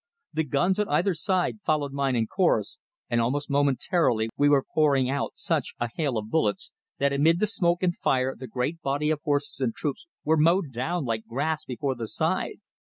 The guns on either side followed mine in chorus, and almost momentarily we were pouring out such a hail of bullets, that amid the smoke and fire the great body of horses and troops were mowed down like grass before the scythe.